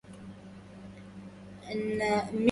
لقد وقع فاضل حقّا في حبّ هذه الفتاة.